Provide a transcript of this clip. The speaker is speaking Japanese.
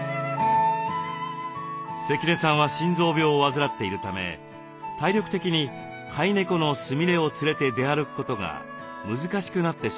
関根さんは心臓病を患っているため体力的に飼い猫のスミレを連れて出歩くことが難しくなってしまいました。